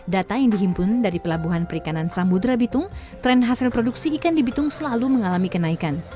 data yang dihimpun dari pelabuhan perikanan samudera bitung tren hasil produksi ikan di bitung selalu mengalami kenaikan